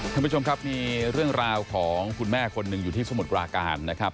ท่านผู้ชมครับมีเรื่องราวของคุณแม่คนหนึ่งอยู่ที่สมุทรปราการนะครับ